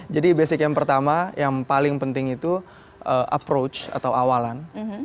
jadi basic yang pertama yang paling penting itu approach atau awalan